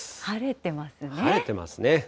晴れてますね。